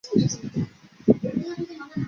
系统的名字通常是名称的一部分。